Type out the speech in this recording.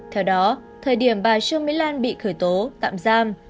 theo đó thời điểm bà trương mỹ lan bị khởi tố tạm giam